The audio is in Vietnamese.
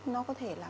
nó có thể là